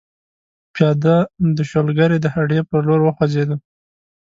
پیاده د شولګرې د هډې پر لور وخوځېدو.